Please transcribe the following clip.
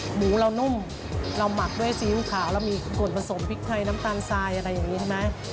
หมูเรานุ่มเราหมักด้วยซีอิ๊วขาวเรามีส่วนผสมพริกไทยน้ำตาลทรายอะไรอย่างนี้ใช่ไหม